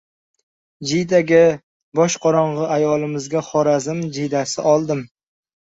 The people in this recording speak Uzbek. Jiydaga boshqorong‘i ayolimizga Xorazm jiydasi oldim.